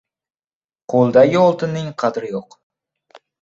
• Qo‘ldagi oltinning qadri yo‘q.